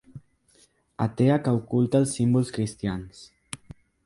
Atea que oculta els símbols cristians.